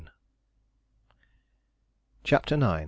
CHAPTER IX.